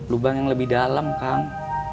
lubang yang lebih dalam kang